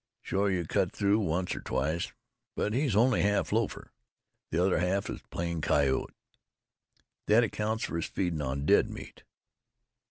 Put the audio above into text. Shore you cut through once or twice. But he's only half lofer, the other half in plain coyote. Thet accounts fer his feedin' on dead meat."